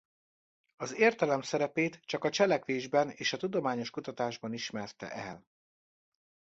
Az értelem szerepét csak a cselekvésben és a tudományos kutatásban ismerte el.